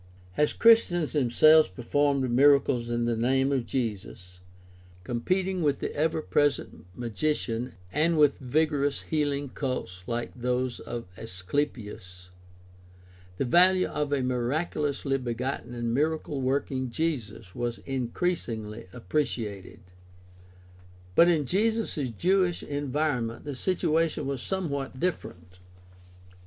As Chris tians themselves performed miracles in the name of Jesus, competing with the ever present magician and with vigorous heaUng cults like those of Asklepios, the value of a miraculously begotten and miracle working Jesus was increasingly appre ciated. THE STUDY OF EARLY CHRISTIANITY 265 But in Jesus' Jewish environment the situation was some what different.